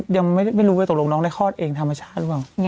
ยังไม่รู้ว่าตกลงน้องได้คลอดเองธรรมชาติหรือเปล่า